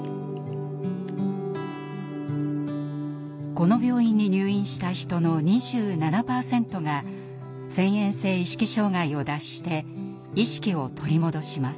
この病院に入院した人の２７％が遷延性意識障害を脱して「意識」を取り戻します。